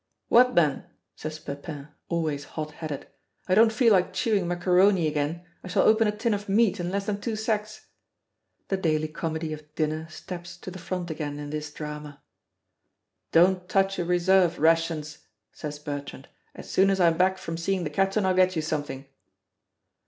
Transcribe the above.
"What then?" says Pepin, always hot headed. "I don't feel like chewing macaroni again; I shall open a tin of meat in less than two secs?" The daily comedy of dinner steps to the front again in this drama. "Don't touch your reserve rations!" says Bertrand; "as soon as I'm back from seeing the captain I'll get you something."